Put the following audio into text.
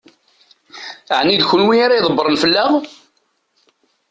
Ɛni d kenwi ara ydebbṛen fell-aɣ?